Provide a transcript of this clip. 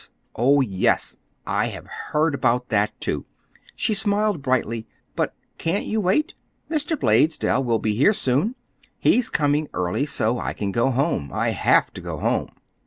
Oh, yes, I have heard about that, too." She smiled again brightly. "But can't you wait? Mr. Blaisdell will soon be here. He's coming early so I can go home. I have to go home."